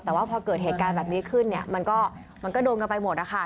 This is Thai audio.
แต่ว่าพอเกิดเหตุการณ์แบบนี้ขึ้นเนี่ยมันก็โดนกันไปหมดนะคะ